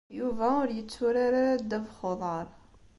Yuba ur yetturar ara ddabex n uḍar.